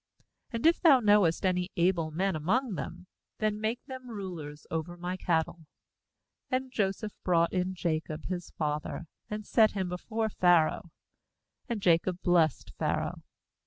And if thou knowest any able men among them, then make them rulers over my cattle.' 7And Joseph brought in Jacob his father, and set him before Pharaoh. And Jacob blessed Pharaoh.